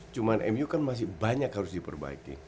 cuma mu kan masih banyak harus diperbaiki